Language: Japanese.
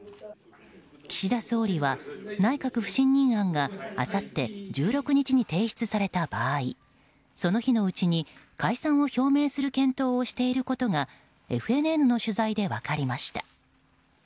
岸田総理は内閣不信任案があさって１６日に提出された場合その日のうちに解散を表明する検討をしていることがＦＮＮの取材で分かりました。